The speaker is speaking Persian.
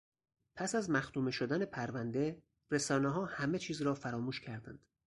پس از مختومه شدن پرونده، رسانهها همه چیز را فراموش کردند